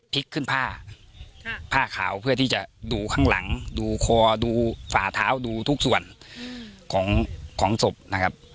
ขึ้นผ้าผ้าขาวเพื่อที่จะดูข้างหลังดูคอดูฝ่าเท้าดูทุกส่วนของศพนะครับ